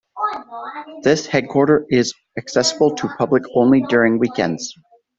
This headquarter is accessible to public only during weekends.